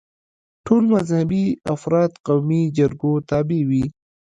ټول مذهبي افراد قومي جرګو تابع وي.